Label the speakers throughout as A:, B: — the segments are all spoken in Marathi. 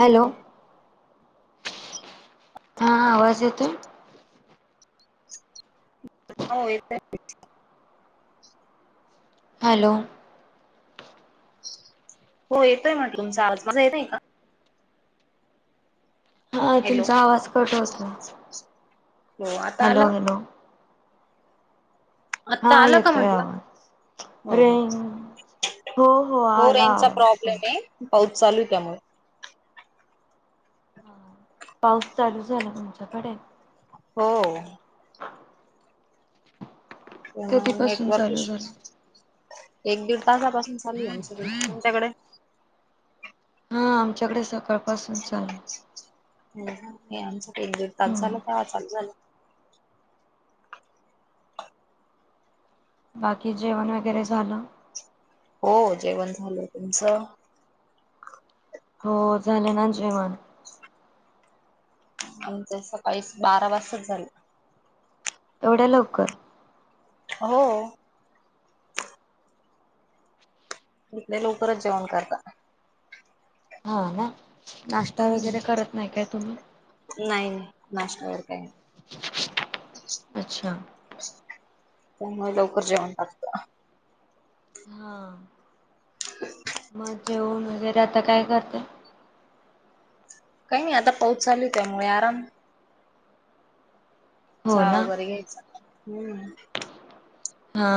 A: हॅलो
B: हेप
A: हा आवाज येतोय?
B: हो येतोय.
A: हॅलो
B: हो येतोय म्हटलं तुमचा आवाज माझ येतय का?
A: हा
B: हॅलो
A: तुमचा आवाज कट होत
B: हो आता आला
A: हॅलो हॅलो हा
B: आता आलं का
A: येतोय आवाज
B: म्हंटलं.
A: रेंज हो
B: हो
A: आला
B: रेंज
A: आवाज
B: प्रॉब्लेम
A: तुमचा
B: आहे. चालू कामुळे
A: हा पाऊस चालू झाला तुमच्याकडे.
B: हो
A: कधीपासून
B: नेटवर्क
A: चालू
B: इश्यू.
A: झाला
B: एक दीड तासापासून चालली आमच्याकडे. तुमच्याकडे
A: हा आमच्याकडे सकाळपासून चालू,
B: हो आमच्या एक दीड तास झाला
A: हम्म
B: ते तास झालं,
A: बाकी जेवण वगैरे झालं.
B: हो जेवण झालं तुचं
A: हो झालं ना जेवण.
B: आमच सकाळी बारा वाजच झालं.
A: एवढ्या लवकर,
B: हो इथले लवकरच जेवण करतात.
A: हा ना नाश्ता वगैरे करत नाही काय तुम्ही?
B: नाही नाही नाश्ता वगैरे काही नाही.
A: अच्छा!
B: त्यामुळे लवकर जेवण लागत.
A: हा मग जेऊन वगैरे आता काय करते?
B: काही नाही आता पाऊस चालूच आहेमुळे आराम.
A: हो
B: चहा
A: ना?
B: वगैरे घ्यायचा हम्म.
A: हा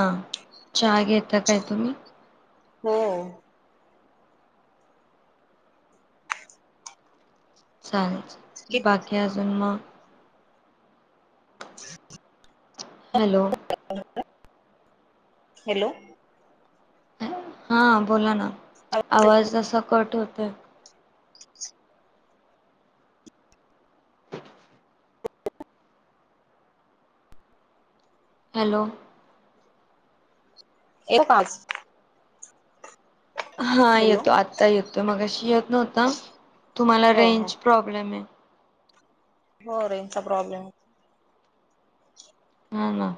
A: चचाहा घेता काय तुम्ही?
B: हो कि
A: चाले बाकी अजून मग.
B: च
A: हॅलो
B: हॅलो
A: हा बोला ना आवाज अस कट होत हॅलो
B: ए पाच
A: हा येतो आत्ता येतोय मग अशी येत नव्हता. तुम्हाला
B: हो हो
A: रेंज प्रॉब्लेम आहे.
B: हो रेंजचा प्रॉब्लेम हो.
A: हा ना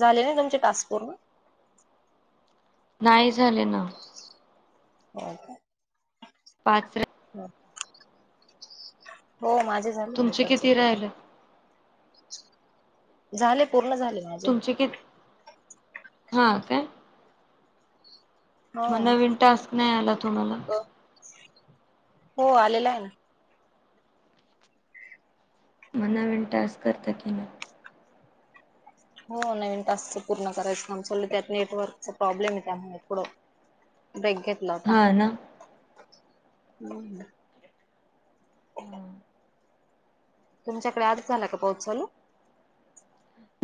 B: झाले ना तुमचे टास्क पूर्ण?
A: नाही झाले ना.
B: हो का
A: पाच्र
B: हो माझे
A: तुमचे किती
B: झाले.
A: राहिले?
B: झाले पूर्ण झाले माझे.
A: हा का
B: हो
A: मग नवीन टास्क नाही आला तुम्हाला?
B: हो आलेला हें ना
A: मना [unintelligible]
B: हो नवीन ताासच पूर्ण करायचं नाम सलं त्यात नेटवर्कचा प्रॉब्लेम आहे त्यामुळे थोडं. ब्रेक घेतला होता.
A: हां ना? हां.
B: तुमच्याकडे आज झाला का पाऊस चालू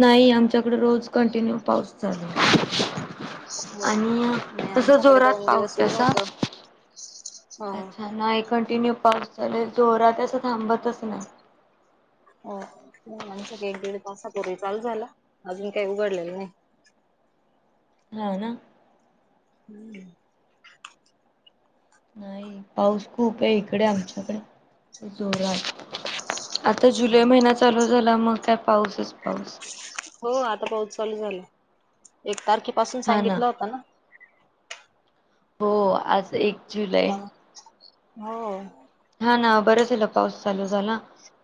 A: नाही आमच्याकडे रोज कंटिन्यू पाऊस चालू आहे
B: हो
A: आणि
B: नाही
A: तस
B: आमच्याकडे
A: जोरात
B: दोन दिवस
A: पाऊस
B: ऊन
A: [unintelligible]
B: होत हो
A: अच्छा नाही कंटिन्यू पाऊस चालू जोरातातसं थांबतच नाय
B: हो आमच्या काही एक दीड तासापूर्वी चालू झाला अजून काही उघडलेलं नाही
A: हं हम्म
B: नाही
A: नाही पाऊस खूप आहे इकडे आमच्याकडे जोरात आता जुलै महिना चालू झाला मग काय पाऊसच पाऊस
B: हो आता पाऊस चालू झालं एक तारखे पासून सांगितला होता ना
A: हो आज एक जुलै.
B: त्यामुळे हो!
A: हा ना बरं झालं पाऊस चालू झाला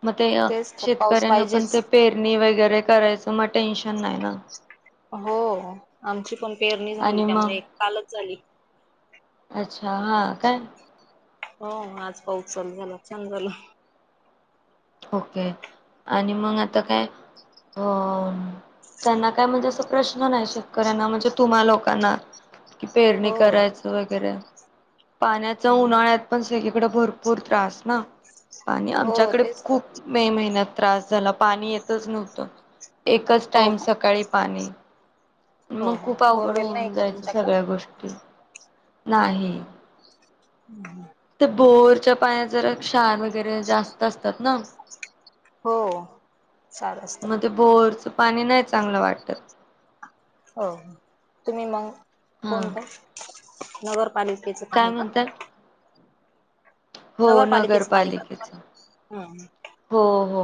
A: मग ते
B: तेच तर पाऊस
A: शेतकऱ्यांना पण
B: पाहिजेच
A: ते पेरणी वगैरे करायचं मग टेन्शन नाही ना
B: हो आमची पण पेरणी झाली
A: आणि मग
B: त्यामुळे एक कालच झाली.
A: अच्छा हा काय.
B: हो आज पाऊस चालू झाला छान झाल
A: ओके आणि मग आता काय अ त्यांना काय म्हणजे असं प्रश्न नाही शेतकऱ्यांना म्हणजे तुम्हा लोकांना कि पेरणी
B: हो
A: करायचं वगैरे पाण्याचा उन्हाळ्यात पण सगळीकडे भरपूर त्रास ना पाणी
B: हो
A: आमच्याकडे
B: तेच
A: खूप
B: तर
A: मे महिन्यात त्रास झाला पाणी येतच नव्हतं. एकच
B: हो
A: टाइम
B: का
A: सकाळी पाणी
B: हो
A: मग
B: हो
A: खूप अवघड
B: बोरवेल नाही
A: होऊन
B: का
A: जायचं
B: तुमच्याकडं
A: सगळ्या गोष्टी [unintelligible] नाही ते बोरच्या पाया जर क्षार वगैरे जास्त असतात ना
B: हो क्षार असतं.
A: मग ते बोरचं पाणी नाही चांगलं वाटतं.
B: हो तुम्ही मंग
A: हा
B: कोणतं नगर पालिकेच
A: काय
B: पाणी का?
A: म्हणतात हो
B: नगरपालिकेचं पाणी का
A: नगरपालिकेचा
B: तुम्हाला हम्म
A: हो हो.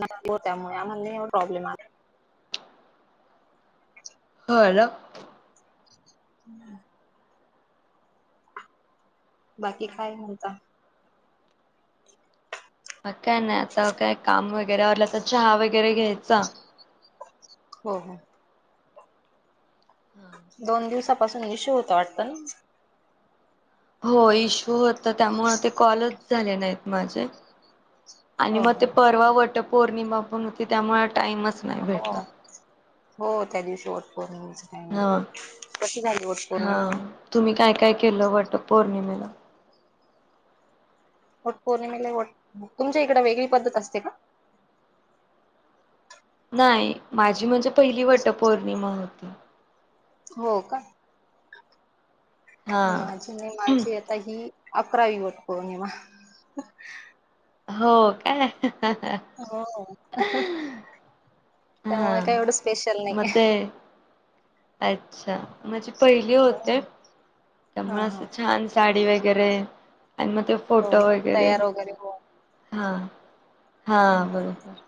B: नाही हो त्यामुळे आमला नाही एवढा प्रॉब्लेम आला.
A: हो ना.
B: बाकी काय म्हणता?
A: म काय नाय आता काय काम वगैरेला आवराला तर चहा वगैरे घ्यायचा.
B: हो हो. दोन दिवसापासून इशू होता वाटता न.
A: हो इशू होता त्यामुळे ते कॉलच झाले नाहीत माझे आणि
B: हो
A: मग ते परवा वट पौर्णिमा पण होती त्यामुळे टाईमच नाही
B: हो
A: भेटला.
B: हो हो त्या दिवशी वट पौर्णिमेचं टायमिंग
A: हा
B: कशी झाली वट
A: हा
B: पौर्णिमा मग
A: तुम्ही काय काय केलं वट पौर्णिमेला
B: वट पौर्णिमेला वट तुमच्या इकडं वेगळी पद्धत असते का?
A: नाही माझी म्हणजे पहिली वट पौर्णिमा होती.
B: हो का
A: हा
B: माझी नाही माझी आता ही अकरावी वटपौर्णिमा.
A: हो काय!
B: हो.
A: हा
B: त्यामुळे काय एवढं स्पेशल
A: मग
B: नाही.
A: ते अच्छा! माझे पहिली
B: हो
A: होते त्यामुळे
B: हा
A: असं
B: हा
A: छान साडी वगैरे आणि मग ते
B: हो
A: फोटो
B: ना
A: वगैरे
B: तयार हो
A: हां. हा
B: हम्म.
A: बरोबर.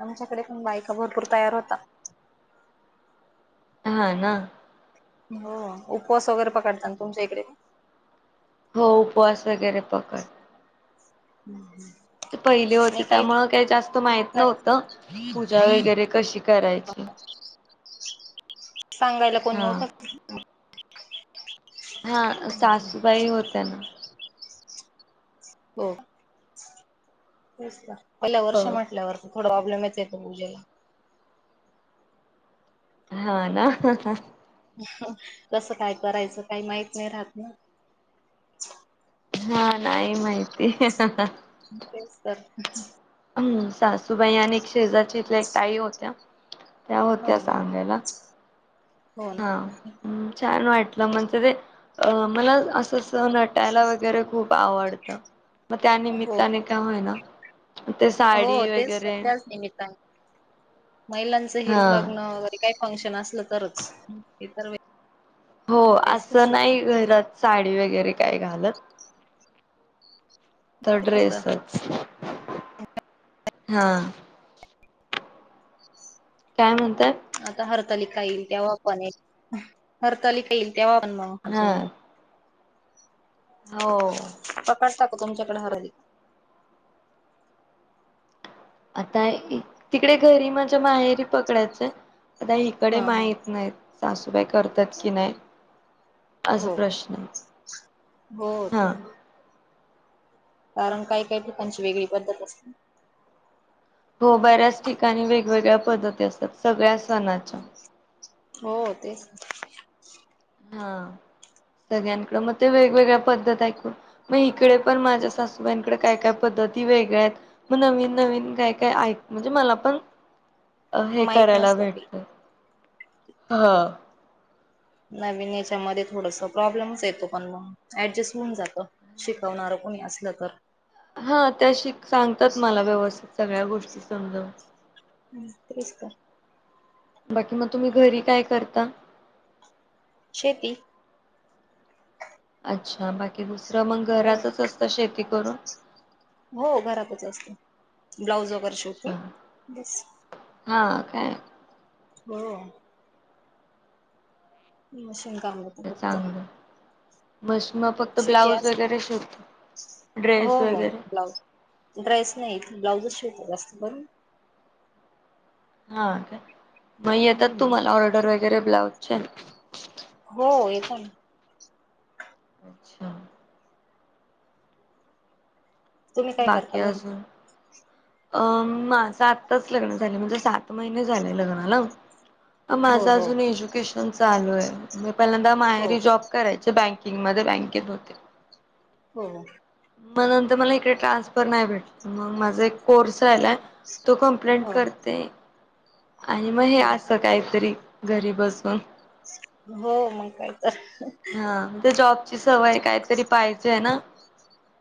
B: आमच्याकडे पण बायका भरपूर तयार होता.
A: हा ना.
B: हो उपवास वगैरे पकडताना तुमच्या इकडे.
A: हो उपवास वगैरे पकड
B: हम् हम्
A: ते पहिले होते त्यामुळे काही जास्त माहित
B: ठिकाणी
A: नव्हतं पूजा वगैरे कशी करायची
B: सांगायला कोण
A: हा
B: नव्हतं
A: हा सासूबाई होत्या ना.
B: हो तेच ना पहिला
A: हो
B: वर्ष म्हटल्यावरती प्रॉब्लेम येते पूजेला.
A: हा ना.
B: कसं काय करायचं काही माहित नाही राहत ना.
A: हा नाही माहिती.
B: तेच तर
A: हम्म, सासूबाई आणि शेजारच्या इथल्या एक ताई होत्या त्या
B: हो
A: होत्या
B: हो
A: सांगायला.
B: हो
A: हा,
B: ना
A: छान वाट टला म्हणजे ते अ मला असस नटायला वगैरे खूप आवडतं. मग त्या
B: हो का?
A: निमित्ताने काय होय ना?
B: हो तेच तेथल्याच निमित्ताने महिलांचं हे
A: हा
B: लग्न वगैरे काही फंक्शन असलं तरच इतर वे
A: हो असं नाही घरात साडी वगैरे काय घालत तर ड्रेसच हा काय म्हणत
B: आता हरतालिका येईल तेव्हापने हरतालिका येईल तेव पण म
A: हा
B: हजून
A: हो
B: करता का तुमच्याकडे हरतालिका
A: आता तिकडे घरी म्हझ्या माहेरी पकडायचंय आता इकडे
B: हा हा
A: माहीत नाही सासूबाई करतात की नाही असा
B: हो
A: प्रश्न
B: हो
A: आहे
B: ते
A: हा
B: कारण काही काही ठिकाणची वेगळी पद्धत असते
A: हो बऱ्याच ठिकाणी वेगवेगळ्या पद्धती असतात सगळ्या सणाच्या
B: हो तेच
A: हा सगळ्यांकडं मग ते वेगवेगळ्या पद्धत ऐकून मग इकडे पण माझ्या सासूबाईंकडे काय काय पद्धत ती वेगळ्या आहेत मग नवीन नवीन काय काय म्हणजे मला पण अ हे
B: माहित
A: करायला
B: नसलं ते
A: भेटत ह
B: नवीन याच्यामध्ये थोडस प्रॉब्लेमच येतो पण ऍडजस्ट होऊन जात शिकवणार कोणी असे का
A: हा त्याशीिक सांगतात मला व्यवस्थित सगळ्या गोष्टी समजव
B: हम् तस का
A: बाकी मग तुम्ही घरी काय करता
B: शेती
A: अच्छा बाकी दुसरं मग
B: हो
A: घरातच असतं शेती करून
B: हो घरातच असते ब्लाऊज वगैरे शेवट
A: अच्छा
B: बस
A: हा काय
B: हो ह मशीन काते फक्त
A: मस मग फक्त
B: शेती
A: ब्लाऊज
B: अस
A: वगैरे शोधत
B: हो
A: ड्रेस
B: हो
A: वगैरे
B: ब्लाऊज ड्रेस नाही ब्लाउऊज शिवत जास्त बरून
A: हा का मग येतात
B: हम्म
A: तुम्हाला ऑर्डर वगैरे ब्लाउज
B: कन
A: अच्छा
B: तुम्ही काय
A: बाकी
B: करता घरी
A: अजून अं माझ आातच लग्न झाले म्हणजे सात महिने झालेय लग्नाला
B: हो
A: माझं
B: हो
A: अजून एज्युकेशन चालूय म पहिल्यांदा
B: हो
A: मायरी जॉब करायच बँक किंग मध्ये बँकेत होते
B: हो
A: मग नंतर मला इकडे ट्रान्सफर नाही भेटला मग माझा एक कोर्स तो कंप्लेंट
B: हो
A: करते आणि मग हे
B: हो
A: असं काहीतरी घरी बसून
B: हो मग काय तर
A: हा ते जॉबची सवय कायतरी पाहिजेय ना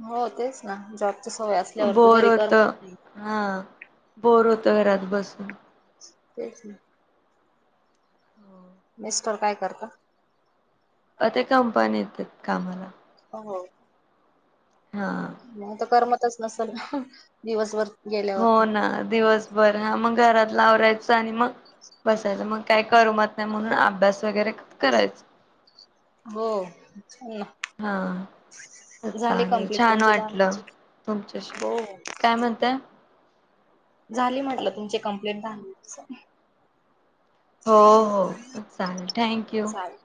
B: हो तेच ना जॉबची सवय असल्यावरती
A: बोर
B: घरी करमत
A: होतं
B: नाही
A: हा बोर होतो घरात बसून
B: तेच ना मीस्टोर काय करत
A: अ ते कंपनी येत कामाला
B: हो
A: हा.
B: मग तर करमतच नसेल दिवसभर.
A: हो
B: गेल्यावरती
A: ना दिवसभर हा मग घरातल आवरायचं आनी मग बसायचं मग काही करमत नाही म्हणून अभ्यास वगैरे करायचं.
B: हो. झाले
A: चालेल
B: कंप्लीट
A: छान
B: तुमचे दहा
A: वाटलं तुमच्याशी.
B: हो.
A: काय म्हणताय
B: झाली म्हटलं तुमची कंप्लेट दहा..
A: हो हो चालेल थँक यू.
B: चालेल